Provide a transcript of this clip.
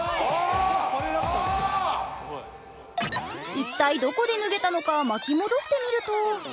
一体どこで脱げたのか巻き戻してみると。